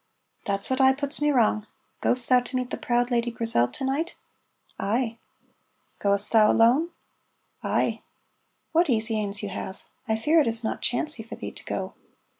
("That's what aye puts me wrang.) Ghost thou to meet the proud Lady Grizel to night?" "Ay." "Ghost thou alone?" "Ay." ("What easy anes you have!) I fear it is not chancey for thee to go."